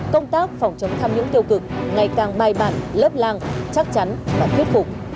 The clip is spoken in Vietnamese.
công tác phòng chống tham nhũng tiêu cực ngày càng bài bản lấp lang chắc chắn và thiết phục